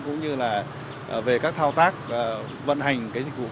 cũng như là về các thao tác vận hành